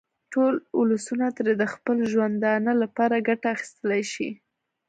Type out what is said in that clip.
ټول ولسونه ترې د خپل ژوندانه لپاره ګټه اخیستلای شي.